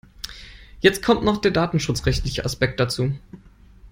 Jetzt kommt noch der datenschutzrechtliche Aspekt dazu.